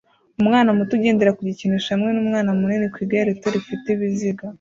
Umwana muto ugendera ku gikinisho hamwe numwana munini ku igare rito rifite ibiziga